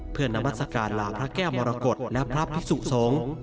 เพื่อนามัศกาลลาพระแก้วมรกฏและพระพิสุสงฆ์